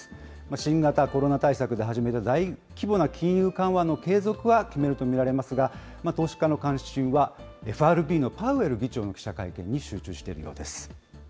新型コロナ対策で始めた大規模な金融緩和の継続は決めると見られますが、投資家の関心は、ＦＲＢのパウエル議長の記者会見に集中しているようです。